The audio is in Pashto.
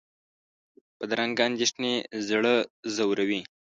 بدرنګه اندېښنې زړه ځوروي